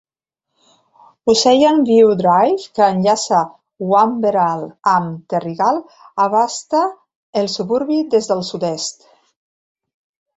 Ocean View Drive, que enllaça Wamberal amb Terrigal, abasta el suburbi des del sud-est.